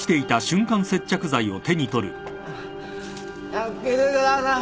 助けてください。